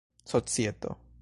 societo